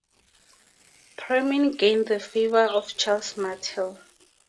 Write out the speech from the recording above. Pirmin gained the favour of Charles Martel.